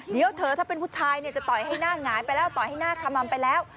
เดี๋ยวเถอะถ้าเป็นผู้ชายเนี่ยจะต่อยให้หน้าหงายไปแล้วต่อยให้หน้าขมัมไปแล้ว